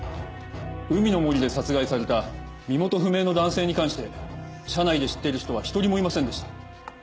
海の森で殺害された身元不明の男性に関して社内で知っている人は一人もいませんでした。